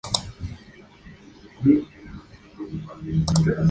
Fue militante en el movimiento anarquista europeo.